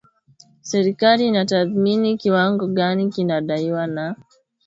serikali inatathmini kiwango gani kinadaiwa na